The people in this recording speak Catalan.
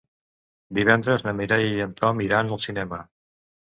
Divendres na Mireia i en Tom iran al cinema.